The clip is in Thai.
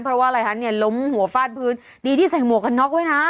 เพราะว่าอะไรคะเนี่ยล้มหัวฟาดพื้นดีที่ใส่หมวกกันน็อกไว้นะ